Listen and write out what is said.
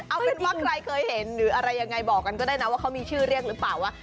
เอาเป็นว่าใครเคยเห็นหรืออะไรยังไงบอกกันก็ได้นะว่าเขามีชื่อเรียกหรือเปล่าว่า